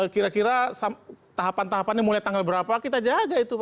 kira kira tahapan tahapannya mulai tanggal berapa kita jaga itu